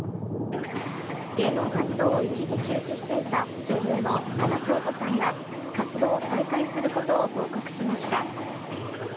芸能活動を一時休止していた、女優の深田恭子さんが、活動を再開することを報告しました。